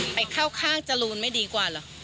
ไปเข้าข้างจรูนไม่ดีกว่าเหรอ